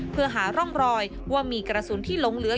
เพื่อหาร่องรอยว่ามีกระสุนที่หลงเหลือ